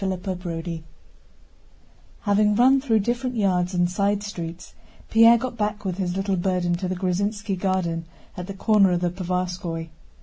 CHAPTER XXXIV Having run through different yards and side streets, Pierre got back with his little burden to the Gruzínski garden at the corner of the Povarskóy.